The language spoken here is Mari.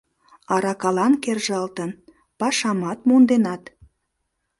— Аракалан кержалтын, пашамат монденат?